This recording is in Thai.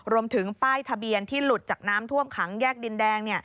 รวมถึงป้ายทะเบียนที่หลุดจากน้ำท่วมขังแยกดินแดง